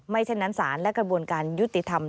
เช่นนั้นศาลและกระบวนการยุติธรรม